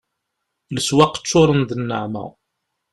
Leswaq ččuren d nneɛma